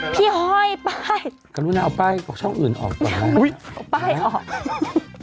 พี่หนุ่มพี่ห้อยป้ายเอาป้ายเอาช่องอื่นออกก่อนอุ้ยเอาป้ายออก